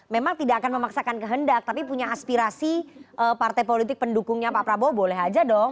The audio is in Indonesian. memang tidak akan memaksakan kehendak tapi punya aspirasi partai politik pendukungnya pak prabowo boleh aja dong